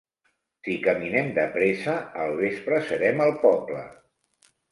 Si caminem de pressa, al vespre serem al poble.